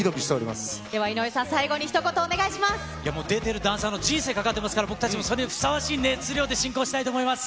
では井上さん、最後にひと言いや、もう出ているダンサーの人生がかかっていますから、僕たちもそれにふさわしい熱量で進行したいと思います。